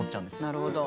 なるほど。